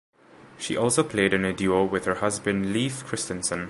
She also played in a duo with her husband Leif Christensen.